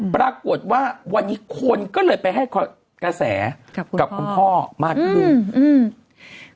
ปรากฏว่าวันนี้คนก็เลยไปให้กระแสกับคุณพ่อมากขึ้นอืม